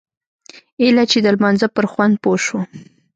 ايله چې د لمانځه پر خوند پوه سوم.